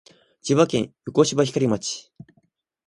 千葉県横芝光町